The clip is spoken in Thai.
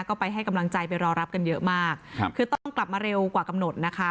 ก็ไปให้กำลังใจไปรอรับกันเยอะมากครับคือต้องกลับมาเร็วกว่ากำหนดนะคะ